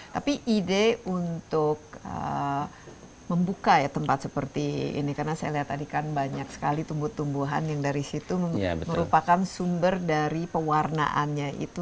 tapi ide untuk membuka ya tempat seperti ini karena saya lihat tadi kan banyak sekali tumbuh tumbuhan yang dari situ merupakan sumber dari pewarnaannya itu